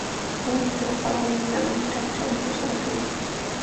ښوونکي به خورا له مهربانۍ ډک چلند ورسره کوي